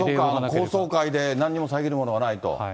高層階でなんにも遮るものがないと。